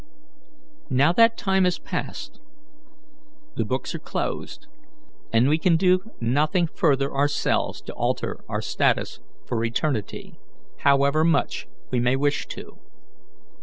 "Now that time is past, the books are closed, and we can do nothing further ourselves to alter our status for eternity, however much we may wish to.